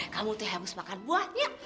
kamu tuh harus makan buah ya